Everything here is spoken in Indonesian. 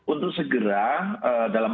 untuk segera dalam